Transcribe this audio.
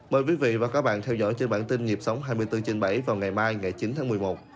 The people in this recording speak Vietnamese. mời quý vị và các bạn theo dõi trên bản tin nhịp sống hai mươi bốn trên bảy vào ngày mai ngày chín tháng một mươi một